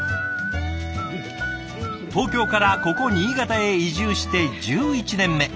東京からここ新潟へ移住して１１年目。